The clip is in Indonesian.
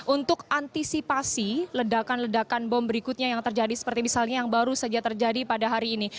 untuk antisipasi ledakan ledakan bom berikutnya yang terjadi seperti misalnya yang baru saja terjadi pada hari ini